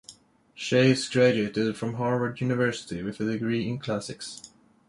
Chace graduated from Harvard University with a degree in Classics.